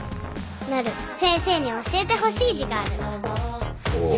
なる先生に教えてほしい字があるんだ。